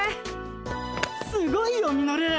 すごいよミノル！